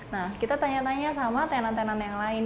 nah kita tanya tanya sama tenan tenan yang lain